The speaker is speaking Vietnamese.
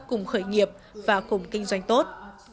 cùng khởi nghiệp và cùng kinh doanh tốt